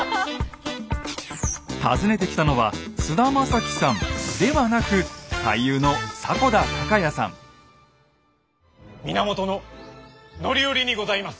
訪ねてきたのは菅田将暉さんではなく俳優の源範頼にございます。